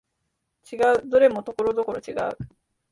違う、どれもところどころ違う